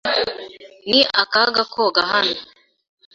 Ni akaga koga hano.